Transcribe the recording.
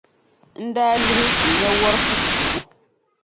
n daa lihi, n nya wɔr' fufuhigu.